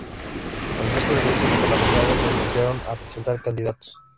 El resto de grupos parlamentarios renunciaron a presentar candidatos.